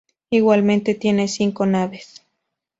Igualmente tiene cinco naves.